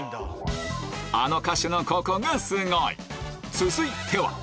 続いては